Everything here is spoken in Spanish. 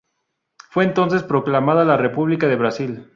Fue, entonces, proclamada la República de Brasil.